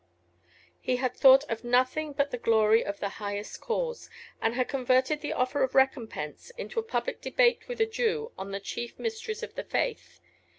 He had thought of nothing but the glory of the highest cause, and had converted the offer of recompense into a public debate with a Jew on the chief mysteries of the faith.